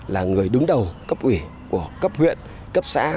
là người đứng đầu cấp ủy của cấp huyện cấp xã